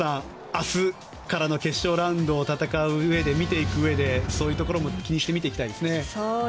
明日からの決勝ラウンドを戦ううえで、見ていくうえでそういうところも気にして見ていきたいですね。